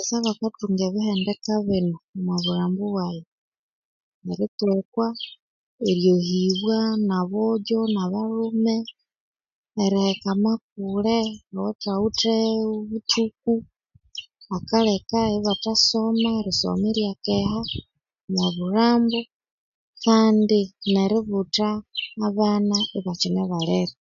Abambesa bakathunga ebihendeka binu omwa bulhambu bwayi eritwekwa eryehibwa na bojo na balhume ne riheka amakule awathawithe eh buthuku akaleka ibathasoma nerisoma ryakeha omo bulhambo kandi neributha abana ibakyine balere